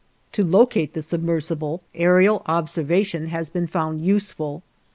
To locate the submersible, aërial observation has been found useful.